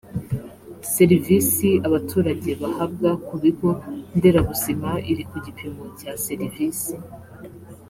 serivisi abaturage bahabwa ku bigo nderabuzima iri ku gipimo cya serivisi